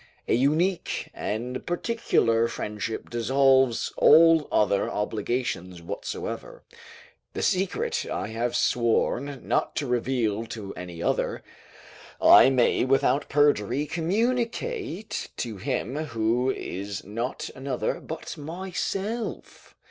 A unique and particular friendship dissolves all other obligations whatsoever: the secret I have sworn not to reveal to any other, I may without perjury communicate to him who is not another, but myself.